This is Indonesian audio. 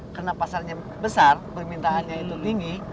karena pasarnya besar permintaannya itu tinggi